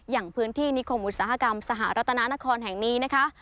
อย่างพื้นที่นิคมอุตสาหกรรมสหรัฐนานครแห่งนี้นะคะ